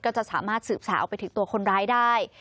จะสามารถสืบสาวไปถึงตัวคนร้ายได้